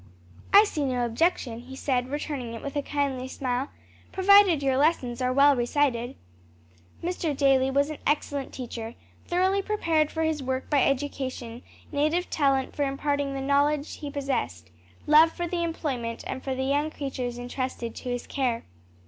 "I see no objection," he said, returning it with a kindly smile, "provided your lessons are well recited." Mr. Daly was an excellent teacher, thoroughly prepared for his work by education, native talent for imparting the knowledge he possessed, love for the employment and for the young creatures entrusted to his care.